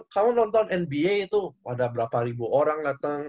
kalau nonton nba itu ada berapa ribu orang datang